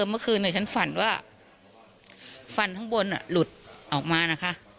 เธอเธอเมื่อคืนนี้ฉันฝั่นว่าฟันข้างบนอ่ะหลุดออกมานะคะ